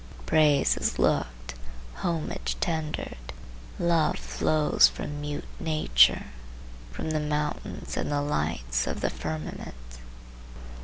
Praise is looked, homage tendered, love flows, from mute nature, from the mountains and the lights of the firmament.